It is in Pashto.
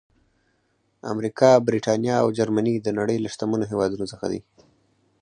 امریکا، برېټانیا او جرمني د نړۍ له شتمنو هېوادونو څخه دي.